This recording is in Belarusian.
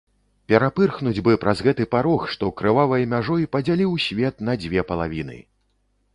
Перапырхнуць бы праз гэты парог, што крывавай мяжой падзяліў свет на дзве палавіны!